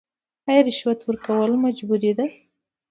آیا رشوت ورکول مجبوري ده؟